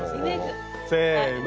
せの。